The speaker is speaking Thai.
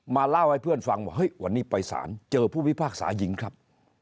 เล่าให้เพื่อนฟังว่าเฮ้ยวันนี้ไปศาลเจอผู้พิพากษายิงครับ